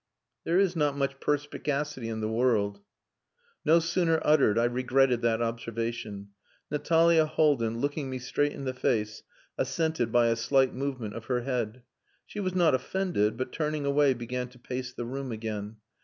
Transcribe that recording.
"There is not much perspicacity in the world." No sooner uttered, I regretted that observation. Natalia Haldin, looking me straight in the face, assented by a slight movement of her head. She was not offended, but turning away began to pace the room again.